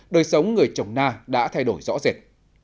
đời sống người trồng na đã thay đổi rõ rệt